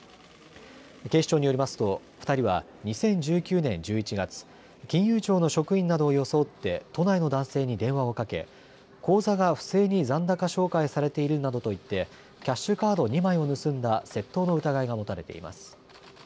警視庁によりますと２人は２０１９年１１月、金融庁の職員などを装って都内の男性に電話をかけ口座が不正に残高照会されているなどと言ってキャッシュカード２枚を盗んだ窃盗の疑いが持たれています。